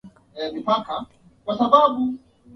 kubwa au taifa lenye utamaduni usio wa Kirusi Hali halisi